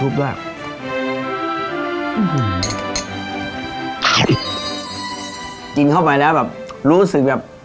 กินเข้าไปแล้วแบบรู้สึกแบบ